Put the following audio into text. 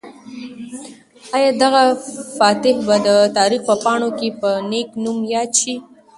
آیا دغه فاتح به د تاریخ په پاڼو کې په نېک نوم یاد شي؟